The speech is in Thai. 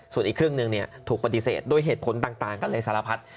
ส่วนอีกครึ่งหนึ่งถูกปฏิเสธด้วยเหตุผลต่างก็เลยสารพัด